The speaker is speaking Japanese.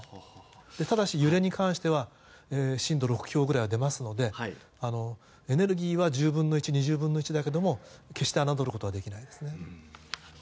ただし揺れに関しては震度６強ぐらいは出ますのでエネルギーは１０分の１２０分の１だけども決して侮ることはできないですね。